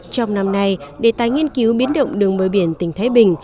trong năm nay đề tái nghiên cứu biến động đường môi biển tỉnh thái bình